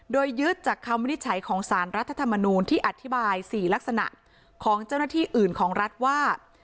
โดยยึดจากคำวินิจฉัยของสารรัฐธรรมนูลที่อธิบาย๔ลักษณะของเจ้าหน้าที่อื่นของรัฐว่า